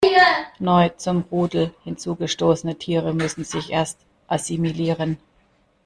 Neu zum Rudel hinzugestoßene Tiere müssen sich erst assimilieren.